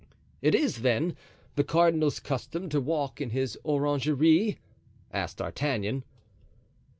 "It is, then, the cardinal's custom to walk in his orangery?" asked D'Artagnan.